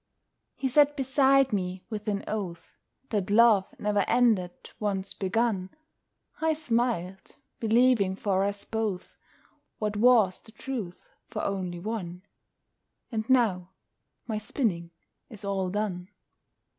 He sat beside me, with an oath That love ne'er ended, once begun; I smiled, believing for us both, What was the truth for only one: And now my spinning is all done.